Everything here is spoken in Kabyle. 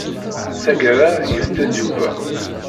Tagara, yebded Yuba.